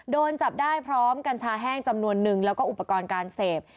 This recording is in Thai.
โดนจับได้พร้อมกัญชาแห้งจำนวนนึงแล้วก็อุปกรณ์การเสพ